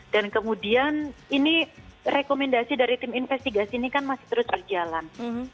dan kemudian ini rekomendasi dari tim investigasi ini kan masih terus berjalan